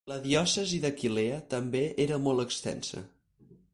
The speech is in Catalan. La diòcesi d'Aquileia també era molt extensa.